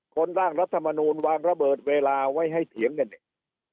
ร่างรัฐมนูลวางระเบิดเวลาไว้ให้เถียงกันเนี่ย